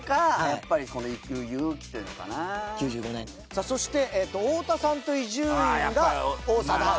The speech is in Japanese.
さあそして太田さんと伊集院が王貞治。